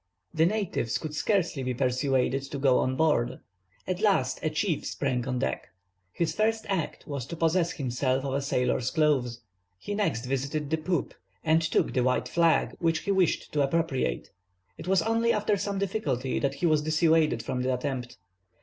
The natives could scarcely be persuaded to go on board. At last a chief sprang on deck. His first act was to possess himself of a sailor's clothes. He next visited the poop and took the white flag, which he wished to appropriate. It was only after some difficulty that he was dissuaded from the attempt.